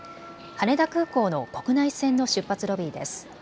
羽田空港の国内線の出発ロビーです。